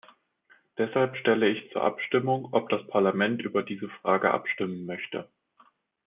Deshalb stelle ich zur Abstimmung, ob das Parlament über diese Frage abstimmen möchte.